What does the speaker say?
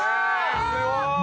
◆すごい！